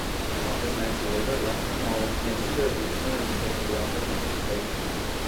OfficeMax later left the mall, and Sears returned taking the OfficeMax space.